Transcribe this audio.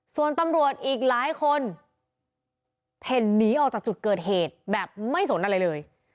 ส่วนตำรวจอีกหลายคนเพ่นหนีออกจากจุดเกิดเหตุแบบไม่สนอะไรเลย